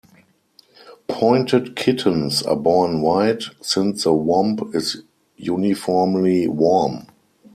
Pointed kittens are born white, since the womb is uniformly warm.